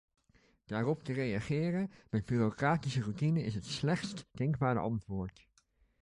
Daarop te reageren met bureaucratische routine is het slechtst denkbare antwoord.